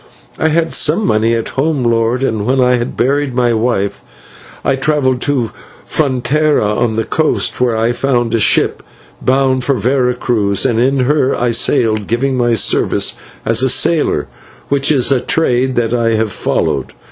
"I had some money at home, lord, and when I had buried my wife I travelled to Frontera on the coast, where I found a ship bound for Vera Cruz, and in her I sailed, giving my service as a sailor, which is a trade that I have followed.